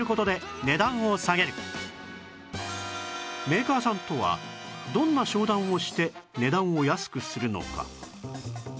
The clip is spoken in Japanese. メーカーさんとはどんな商談をして値段を安くするのか？